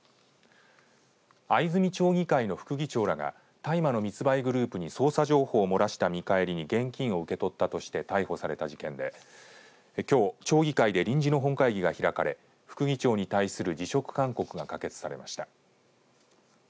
藍住町議会の副議長らが大麻の密売グループに捜査情報を漏らした見返りに現金を受け取ったとして逮捕された事件できょう町議会で臨時の本会議が開かれ副議長に対する辞職勧告が可決されました。